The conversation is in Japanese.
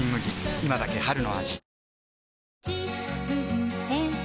今だけ春の味